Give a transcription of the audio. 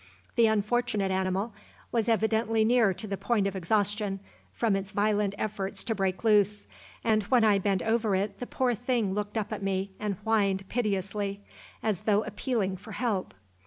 The unfortunate animal was evidently near to the point of exhaustion from its violent efforts to break loose, and when I bent over it the poor thing looked up at me and whined piteously, as though appealing for help.